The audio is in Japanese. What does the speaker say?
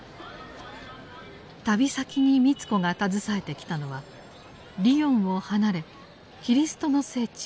旅先に美津子が携えてきたのはリヨンを離れキリストの聖地